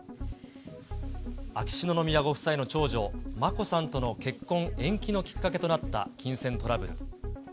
秋篠宮ご夫妻の長女、眞子さんとの結婚延期のきっかけとなった金銭トラブル。